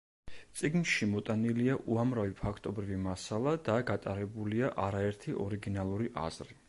წიგნში მოტანილია უამრავი ფაქტობრივი მასალა და გატარებულია არაერთი ორიგინალური აზრი.